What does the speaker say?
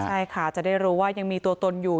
ใช่ค่ะจะได้รู้ว่ายังมีตัวตนอยู่